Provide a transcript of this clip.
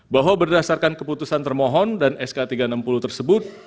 bahwa berdasarkan keputusan termohon dan sk tiga ratus enam puluh tersebut